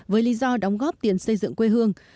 với lý do đóng góp tiền xây dựng quê hương